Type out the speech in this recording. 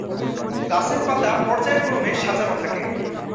গাছের পাতা পর্যায়ক্রমে সাজানো থাকে।